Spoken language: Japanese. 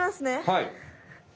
はい！